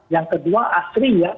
yang kedua asri ya